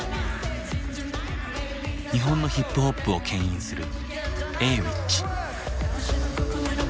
日本のヒップホップをけん引するＡｗｉｃｈ。